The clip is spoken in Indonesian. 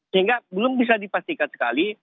sehingga belum bisa dipastikan sekali